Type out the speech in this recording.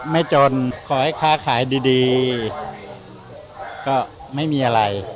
จนขอให้ค้าขายดีก็ไม่มีอะไร